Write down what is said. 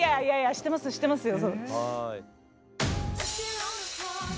してますしてますよ。